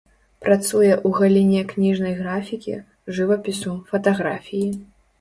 Працуе ў галіне кніжнай графікі, жывапісу, фатаграфіі.